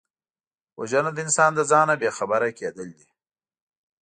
وژنه د انسان له ځانه بېخبره کېدل دي